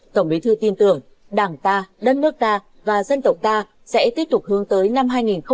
tổng bí thư tin tưởng đảng ta đất nước ta và dân tộc ta sẽ tiếp tục hướng tới năm hai nghìn hai mươi